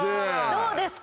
どうですか？